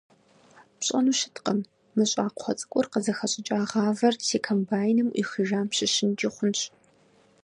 Пщӏэну щыткъым, мы щӏакхъуэ цӏыкӏур къызыхэщӏыкӏа гъавэр си комбайным ӏуихыжам щыщынкӏи хъунщ.